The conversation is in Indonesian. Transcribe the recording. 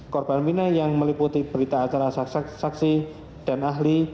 kurban semina yang meliputi berita acara saksiigh dan ahli